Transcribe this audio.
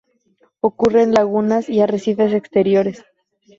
Ocurre en lagunas y arrecifes exteriores.